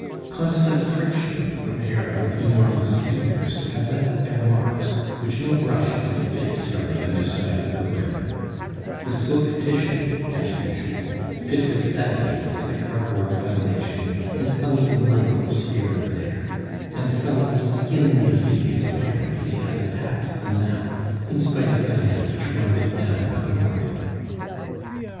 Constant friction with a pair of enormous ears had left their marks which no brush could efface from the underside of the brim; the silk tissue (as usual) fitted badly over the cardboard foundation, and hung in wrinkles here and there; and some skin disease (apparently) had attacked the nap in spite of the hand which rubbed it down of a morning.